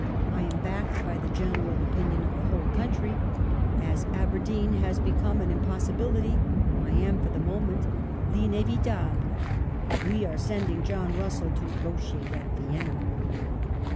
I am backed by the general opinion of the whole country. ... As Aberdeen has become an impossibility, I am, for the moment, Vinevitable. We are sending John Russell to negotiate at Vienna."